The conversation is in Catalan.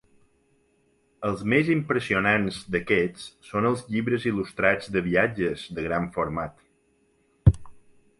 Els més impressionants d'aquests són els llibres il·lustrats de viatges de gran format.